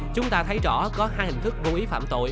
chúng ta thấy rõ có hai hình thức vô ý phạm tội